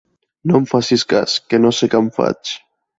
No en facis cas, que no sé què em faig.